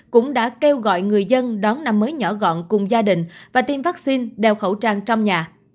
cũng đã kêu gọi người dân đón năm mới nhỏ gọn cùng gia đình và tiêm vaccine đeo khẩu trang trong nhà